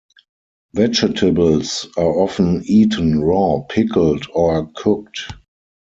Vegetables are often eaten raw, pickled, or cooked.